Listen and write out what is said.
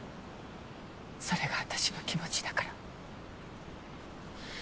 それが私の気持ちだから。